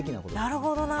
なるほどなあ。